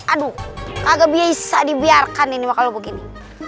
aduh kagak bisa dibiarkan ini mah kalau begini